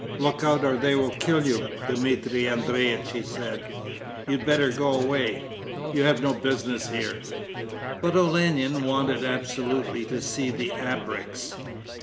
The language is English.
'Look out or they will kill you, Dmitri Andreich,' he said. 'You'd better go away you have no business here.' But Olenin wanted absolutely to see the ABREKS.